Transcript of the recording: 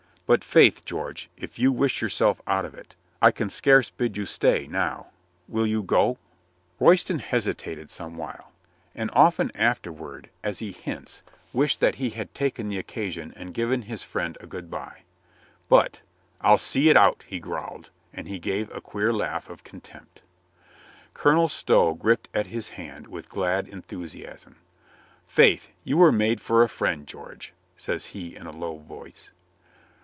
But faith, George, if you wish yourself out of it, I can scarce bid you stay, now. ... Will you go?" Royston hesitated some while. And often after i6o COLONEL GREATHEART ward, as he hints, wished that he had taken the oc casion and given his friend a good by. But, "I'll see it out," he growled and he gave a queer laugh of contempt. Colonel Stow gripped at his hand with glad en thusiasm. "Faith, you were made for a friend, George," says he in a low voice.